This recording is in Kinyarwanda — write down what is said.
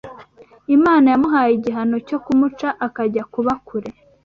Imana yamuhaye igihano cyo kumuca akajya kuba kure